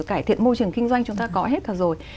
cải thiện môi trường kinh doanh chúng ta có hết thật rồi